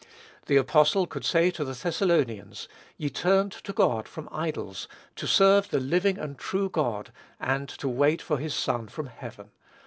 The apostle could say to the Thessalonians, "Ye turned to God from idols, to serve the living and true God, and to wait for his Son from heaven."